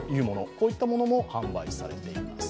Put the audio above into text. こういったものも販売されています。